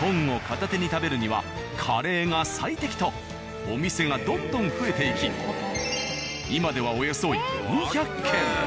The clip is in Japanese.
本を片手に食べるにはカレーが最適とお店がどんどん増えていき今ではおよそ４００軒。